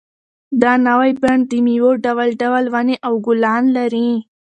دا نوی بڼ د مېوو ډول ډول ونې او ګلان لري.